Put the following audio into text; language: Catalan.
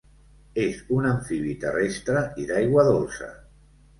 És un amfibi terrestre i d'aigua dolça.